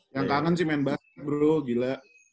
yang kangen sih main bareng bro gila